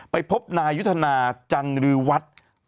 ไปพบนายุทธนาจันรือวัด